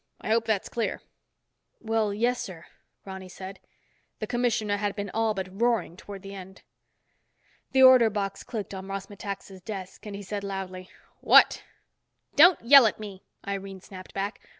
I hope that's clear." "Well, yes sir," Ronny said. The commissioner had been all but roaring toward the end. The order box clicked on Ross Metaxa's desk and he said loudly, "What?" "Don't yell at me," Irene snapped back.